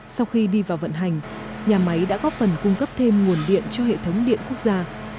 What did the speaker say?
sau khi đi vào vận hành nhà máy đã góp phần cung cấp thêm nguồn điện cho hệ thống điện quốc gia